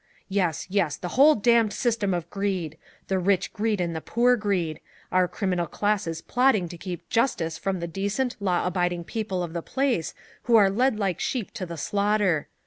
"Yes, yes the whole damned system of greed! The rich greed and the poor greed our criminal classes plotting to keep justice from the decent law abiding people of the place, who are led like sheep to the slaughter.